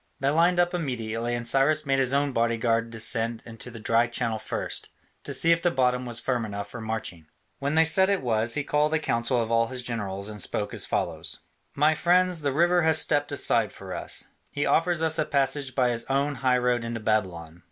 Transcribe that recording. They lined up immediately, and Cyrus made his own bodyguard descend into the dry channel first, to see if the bottom was firm enough for marching. When they said it was, he called a council of all his generals and spoke as follows: "My friends, the river has stepped aside for us; he offers us a passage by his own high road into Babylon.